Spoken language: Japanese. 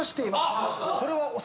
これは？